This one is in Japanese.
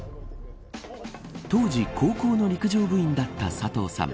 当時、高校の陸上部員だった佐藤さん。